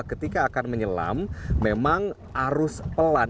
ketika akan menyelam memang arus pelan